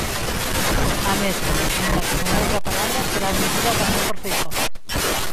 A mesma, aínda que con outra palabras, era admitida tamén por Feijóo.